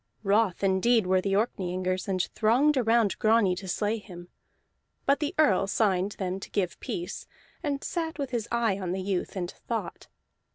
Wroth indeed were the Orkneyingers, and thronged around Grani to slay him; but the Earl signed them to give peace, and sat with his eye on the youth, and thought.